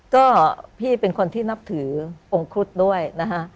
ก็พี่เป็นคนที่นับถือองค์ครุฑด้วยนะฮะ